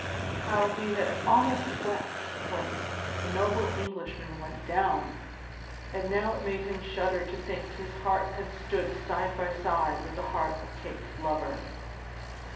How he had almost wept when the noble Englishman went down! And now it made him shudder to think his heart had stood side by side with the heart of Kate's lover!